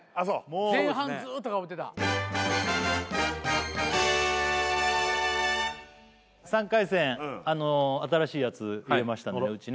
前半ずーっとかぶってた３回戦あの新しいやつ入れましたんでうちね